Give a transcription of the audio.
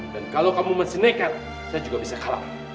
dan kalau kamu masih neger saya juga bisa kalah